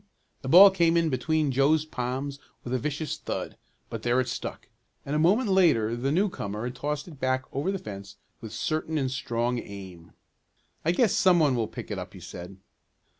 The ball came in between Joe's palms with a vicious thud, but there it stuck, and a moment later the newcomer had tossed it back over the fence with certain and strong aim. "I guess some one will pick it up," he said.